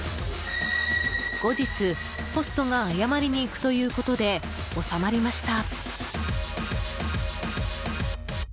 後日、ホストが謝りに行くということで収まりました。